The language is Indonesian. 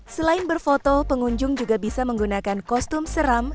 selain berfoto pengunjung juga bisa menggunakan kostum seram